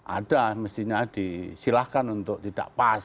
ada mestinya disilahkan untuk tidak pas